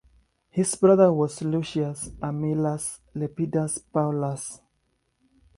His brother was Lucius Aemilius Lepidus Paullus.